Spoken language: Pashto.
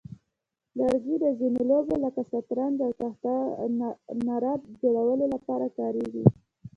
لرګي د ځینو لوبو لکه شطرنج او تخته نرد جوړولو لپاره کارېږي.